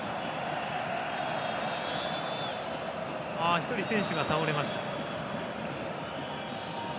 １人、選手が倒れました。